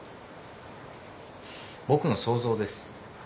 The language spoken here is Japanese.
僕の想像です。